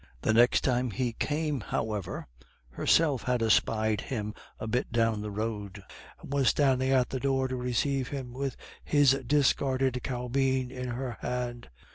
The next time he came, however, Herself had espied him a bit down the road, and was standing at the door to receive him with his discarded caubeen in her hand.